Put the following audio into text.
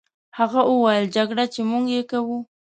هغه وویل: جګړه، چې موږ یې کوو.